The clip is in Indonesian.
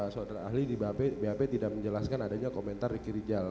saudara ahli di bap tidak menjelaskan adanya komentar riki rijal